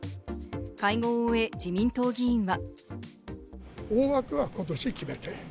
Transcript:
会合を終え、自民党議員は。